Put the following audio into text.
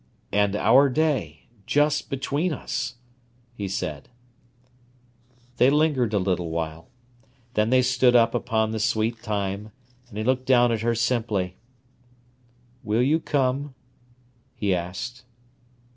"And our day—just between us," he said. They lingered a little while. Then they stood up upon the sweet thyme, and he looked down at her simply. "Will you come?" he asked.